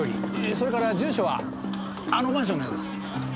それから住所はあのマンションのようです。